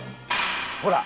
ほら。